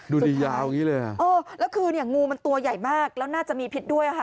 ดูดิยาวอย่างนี้เลยอ่ะเออแล้วคือเนี่ยงูมันตัวใหญ่มากแล้วน่าจะมีพิษด้วยค่ะ